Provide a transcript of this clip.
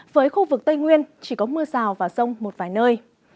với khu vực tây nguyên chỉ có mưa rào và rông một vài nơi